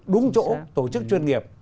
đúng chỗ tổ chức chuyên nghiệp